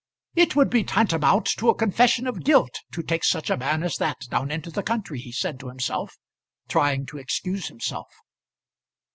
"It would be tantamount to a confession of guilt to take such a man as that down into the country," he said to himself, trying to excuse himself.